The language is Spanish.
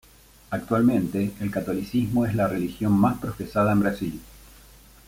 Actualmente, el catolicismo es la religión más profesada en Brasil.